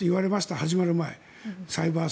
始まる前、サイバー戦。